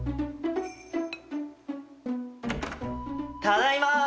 ・ただいま！